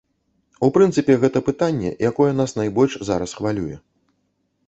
У прынцыпе, гэта пытанне, якое нас найбольш зараз хвалюе.